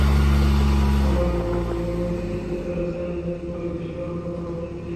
এবারও যেমন Lionel Messi জিততে চলেছেন বলে বেশির ভাগই মোটামুটি নিশ্চিত।